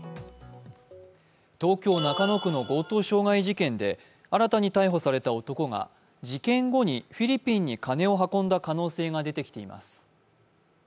東京・中野区の強盗傷害事件で新たに逮捕された男が事件後にフィリピンに金を運んだ可能性が出てきています。